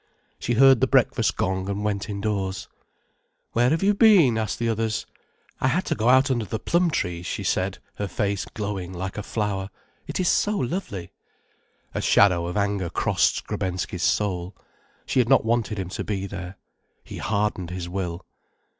She heard the breakfast gong and went indoors. "Where have you been?" asked the others. "I had to go out under the plum trees," she said, her face glowing like a flower. "It is so lovely." A shadow of anger crossed Skrebensky's soul. She had not wanted him to be there. He hardened his will.